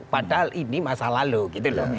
padahal ini masa lalu gitu loh